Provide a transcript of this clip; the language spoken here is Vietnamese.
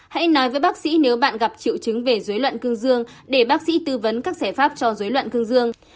hãy nói với bác sĩ nếu bạn gặp triệu chứng về dối loạn cương dương để bác sĩ tư vấn các giải pháp cho dối loạn cương dương